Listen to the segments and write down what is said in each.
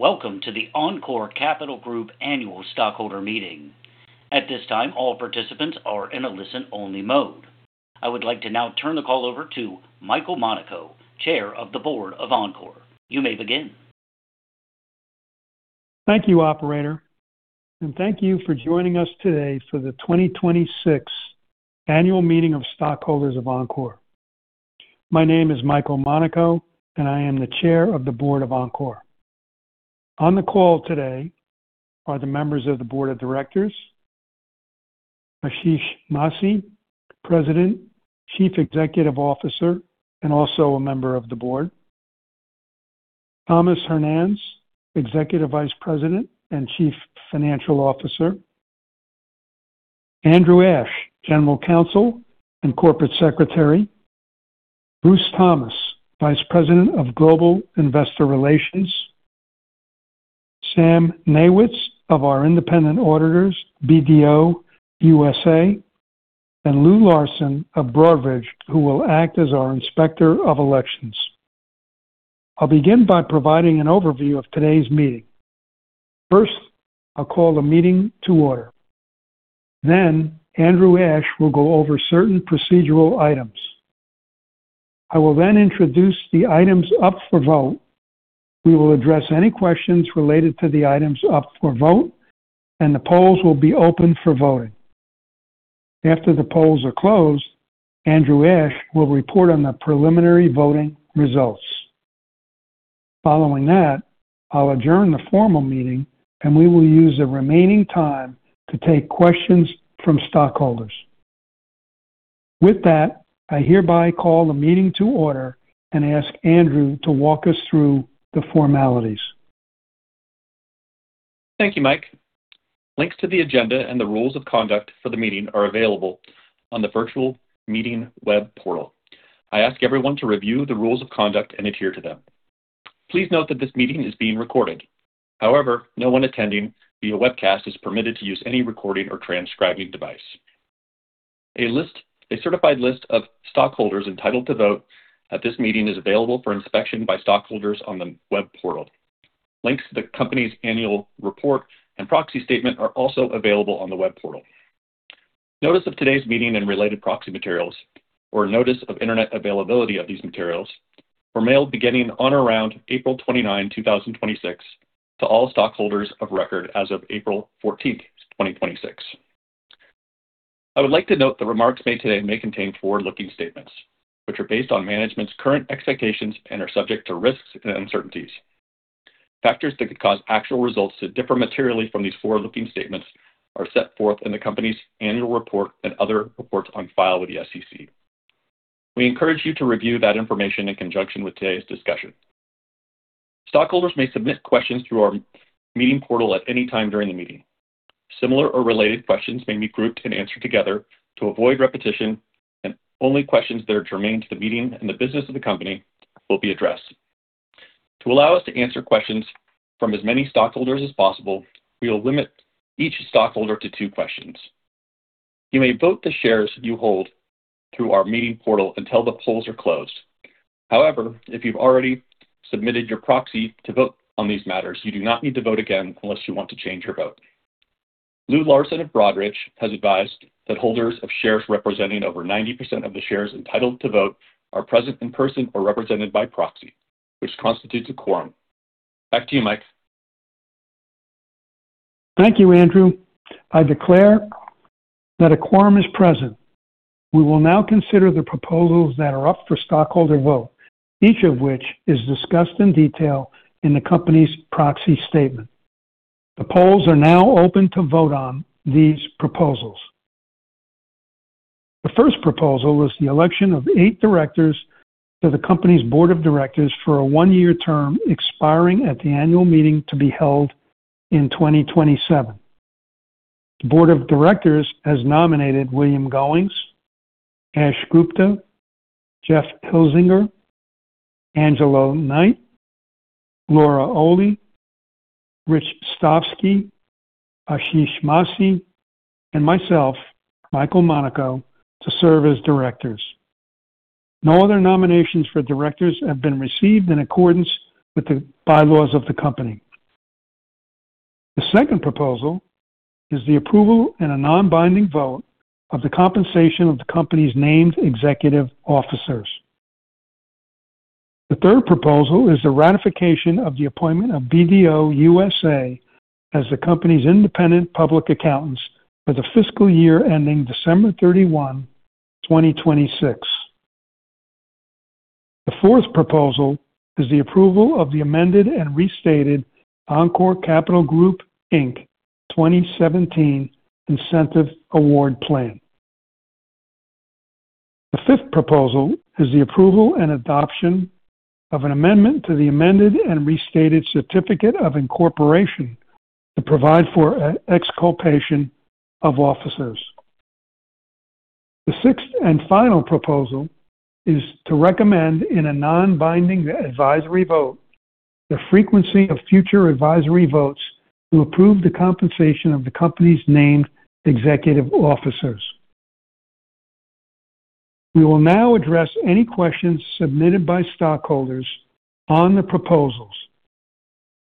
Welcome to the Encore Capital Group annual stockholder meeting. At this time, all participants are in a listen-only mode. I would like to now turn the call over to Michael Monaco, Chair of the Board of Encore. You may begin. Thank you, operator. Thank you for joining us today for the 2026 annual meeting of stockholders of Encore. My name is Michael Monaco, and I am the Chair of the Board of Encore. On the call today are the members of the Board of Directors, Ashish Masih, President, Chief Executive Officer, and also a member of the board. Tomas Hernanz, Executive Vice President and Chief Financial Officer. Andrew Asch, General Counsel and Corporate Secretary. Bruce Thomas, Vice President of Global Investor Relations. Sam Najewicz of our independent auditors, BDO USA, and Lou Larson of Broadridge, who will act as our Inspector of Elections. I'll begin by providing an overview of today's meeting. First, I'll call the meeting to order. Andrew Asch will go over certain procedural items. I will introduce the items up for vote. We will address any questions related to the items up for vote. The polls will be open for voting. After the polls are closed, Andrew Asch will report on the preliminary voting results. Following that, I'll adjourn the formal meeting. We will use the remaining time to take questions from stockholders. With that, I hereby call the meeting to order and ask Andrew to walk us through the formalities. Thank you, Mike. Links to the agenda and the rules of conduct for the meeting are available on the virtual meeting web portal. I ask everyone to review the rules of conduct and adhere to them. Please note that this meeting is being recorded. No one attending via webcast is permitted to use any recording or transcribing device. A certified list of stockholders entitled to vote at this meeting is available for inspection by stockholders on the web portal. Links to the company's annual report and proxy statement are also available on the web portal. Notice of today's meeting and related proxy materials or notice of internet availability of these materials were mailed beginning on or around April 29, 2026 to all stockholders of record as of April 14, 2026. I would like to note the remarks made today may contain forward-looking statements, which are based on management's current expectations and are subject to risks and uncertainties. Factors that could cause actual results to differ materially from these forward-looking statements are set forth in the company's annual report and other reports on file with the SEC. We encourage you to review that information in conjunction with today's discussion. Stockholders may submit questions through our meeting portal at any time during the meeting. Similar or related questions may be grouped and answered together to avoid repetition, and only questions that are germane to the meeting and the business of the company will be addressed. To allow us to answer questions from as many stockholders as possible, we will limit each stockholder to two questions. You may vote the shares you hold through our meeting portal until the polls are closed. If you've already submitted your proxy to vote on these matters, you do not need to vote again unless you want to change your vote. Lou Larson of Broadridge has advised that holders of shares representing over 90% of the shares entitled to vote are present in person or represented by proxy, which constitutes a quorum. Back to you, Mike. Thank you, Andrew. I declare that a quorum is present. We will now consider the proposals that are up for stockholder vote, each of which is discussed in detail in the company's proxy statement. The polls are now open to vote on these proposals. The first proposal is the election of eight directors to the company's board of directors for a one-year term expiring at the annual meeting to be held in 2027. The board of directors has nominated William C. Goings, Ash Gupta, Jeff Hilzinger, Angela Knight, Laura Olle, Richard Stovsky, Ashish Masih, and myself, Michael Monaco, to serve as directors. No other nominations for directors have been received in accordance with the bylaws of the company. The second proposal is the approval in a non-binding vote of the compensation of the company's named executive officers. The third proposal is the ratification of the appointment of BDO USA as the company's independent public accountants for the fiscal year ending December 31, 2026. The fourth proposal is the approval of the amended and restated Encore Capital Group, Inc. 2017 Incentive Award Plan. The fifth proposal is the approval and adoption of an amendment to the amended and restated certificate of incorporation to provide for exculpation of officers. The sixth and final proposal is to recommend, in a non-binding advisory vote, the frequency of future advisory votes to approve the compensation of the company's named executive officers. We will now address any questions submitted by stockholders on the proposals.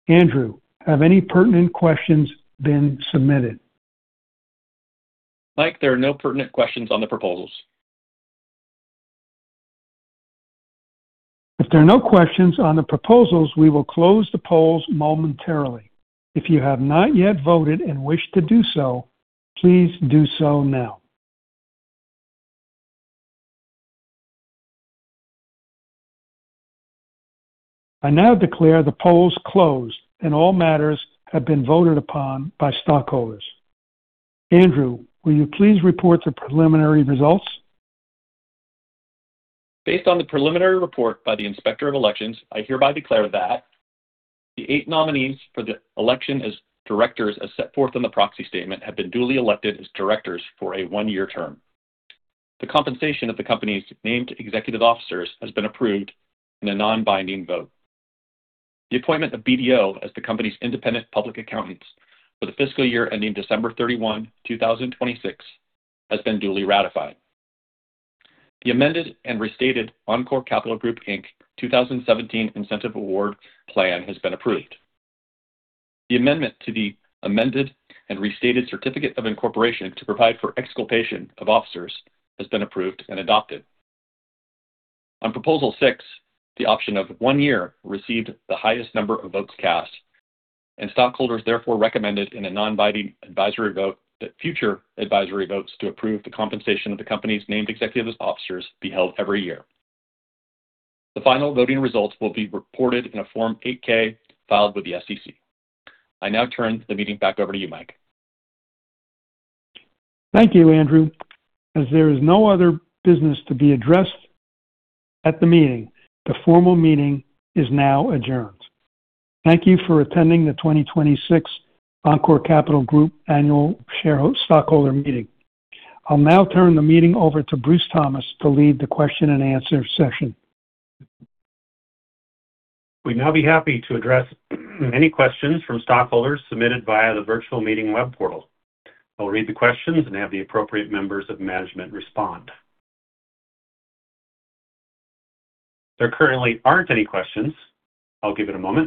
Andrew, have any pertinent questions been submitted? Mike, there are no pertinent questions on the proposals. If there are no questions on the proposals, we will close the polls momentarily. If you have not yet voted and wish to do so, please do so now. I now declare the polls closed, and all matters have been voted upon by stockholders. Andrew, will you please report the preliminary results? Based on the preliminary report by the Inspector of Elections, I hereby declare that the eight nominees for the election as directors as set forth in the proxy statement have been duly elected as directors for a one-year term. The compensation of the company's named executive officers has been approved in a non-binding vote. The appointment of BDO as the company's independent public accountants for the fiscal year ending December 31, 2026, has been duly ratified. The amended and restated Encore Capital Group, Inc. 2017 Incentive Award Plan has been approved. The amendment to the amended and restated certificate of incorporation to provide for exculpation of officers has been approved and adopted. On proposal six, the option of one year received the highest number of votes cast, and stockholders therefore recommended in a non-binding advisory vote that future advisory votes to approve the compensation of the company's named executive officers be held every year. The final voting results will be reported in a Form 8-K filed with the SEC. I now turn the meeting back over to you, Mike. Thank you, Andrew. As there is no other business to be addressed at the meeting, the formal meeting is now adjourned. Thank you for attending the 2026 Encore Capital Group Annual Stockholder Meeting. I'll now turn the meeting over to Bruce Thomas to lead the question and answer session. We'd now be happy to address any questions from stockholders submitted via the virtual meeting web portal. I will read the questions and have the appropriate members of management respond. There currently aren't any questions. I'll give it a moment